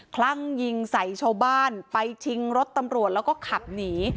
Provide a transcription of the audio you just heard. คลั่งยิงใส่ชาวบ้านไปชิงรถตำรวจแล้วก็ขับหนี